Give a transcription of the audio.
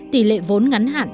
hai tỷ lệ vốn ngắn hạn